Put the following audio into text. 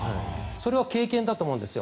それは経験だと思うんです。